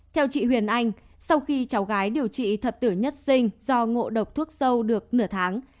theo chị huyền anh sau khi cháu gái điều trị thập tử nhất sinh do ngộ độc thuốc sâu được nửa tháng